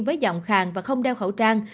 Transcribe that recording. với giọng khang và không đeo khẩu trang